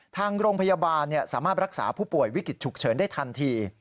ทางโรงพยาบาลสามารถรักษาผู้ป่วยวิกฤตฉุกเฉินได้ทันที